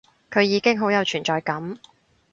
佢已經好有存在感